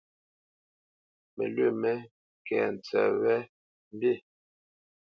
Mǝlwǐ mé kɛ́ tsǝ́tʼ wǝ́, mbí.